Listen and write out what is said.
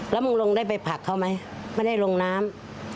แล้วมึงลงได้ไปผลักเขาไหมไม่ได้ลงน้ำ